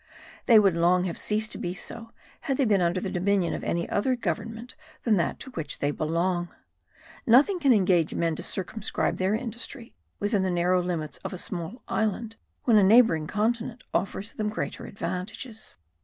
They would long have ceased to be so had they been under the dominion of any other government than that to which they belong. Nothing can engage men to circumscribe their industry within the narrow limits of a small island when a neighbouring continent offers them greater advantages.